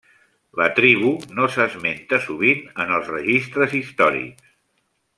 La tribu no s'esmenta sovint en els registres històrics.